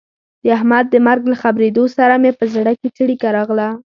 د احمد د مرګ له خبرېدو سره مې په زړه کې څړیکه راغله.